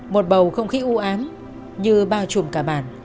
một bầu không khí ưu ám như bao trùm cả bản